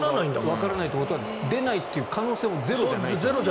わからないってことは出ない可能性もゼロじゃない。